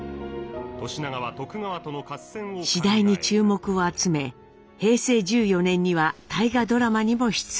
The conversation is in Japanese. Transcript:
次第に注目を集め平成１４年には大河ドラマにも出演。